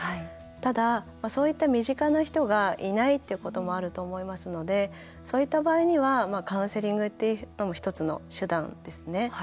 ただ、そういった身近な人がいないっていうこともあると思いますのでそういった場合にはカウンセリングっていうのも１つの手段ですね。